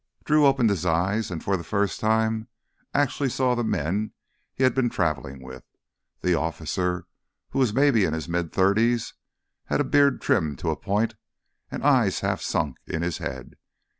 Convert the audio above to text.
Drew opened his eyes, and for the first time actually saw the men he had been traveling with. The officer, who was maybe in his mid thirties, had a beard trimmed to a point and eyes half sunk in his head.